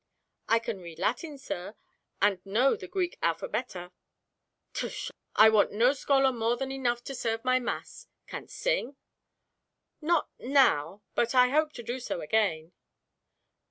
"I can read Latin, sir, and know the Greek alphabeta." "Tush! I want no scholar more than enough to serve my mass. Canst sing?" "Not now; but I hope to do so again."